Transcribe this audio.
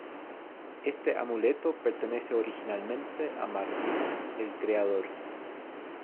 Este amuleto pertenece originalmente a Marduk, el creador.